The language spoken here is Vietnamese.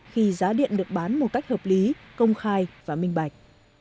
khi giá điện được bán một cách hợp lý công khai và minh bạch